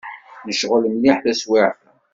Necɣel mliḥ taswiεt-a.